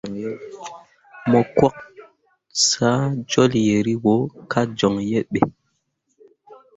Mu cwak saa jol yeribo ka joŋ yehe.